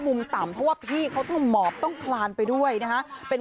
กลุ่มน้ำเบิร์ดเข้ามาร้านแล้ว